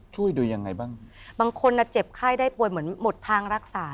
ช่วยดูยังไงบ้าง